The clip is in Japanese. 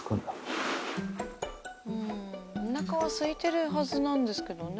お腹はすいてるはずなんですけどね。